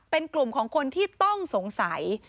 เป็นกลุ่มของคนที่ต้องสงสัย